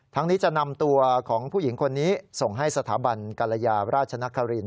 นี้จะนำตัวของผู้หญิงคนนี้ส่งให้สถาบันกรยาราชนคริน